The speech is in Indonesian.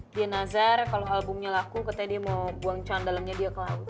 dia nazar kalau albumnya laku katanya dia mau buang dalamnya dia ke laut